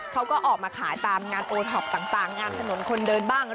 เขาก็ออกมาขายตามงานโอท็อปต่างงานถนนคนเดินบ้าง